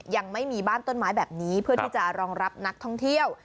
ยังไม่มีบ้านต้นไม้แบบนี้เพื่อที่จะรองรับนักท่องเที่ยว